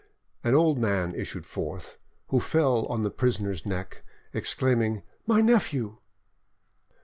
An old man issued forth, who fell on the prisoner's neck, exclaiming, "My nephew!"